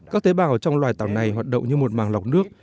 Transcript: các tế bào trong loài tàu này hoạt động như một màng lọc nước